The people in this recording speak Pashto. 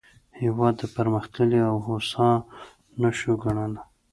هېواد پرمختللی او هوسا نه شو ګڼلای.